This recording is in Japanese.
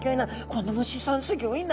この虫さんすギョいな